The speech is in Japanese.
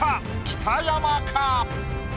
北山か？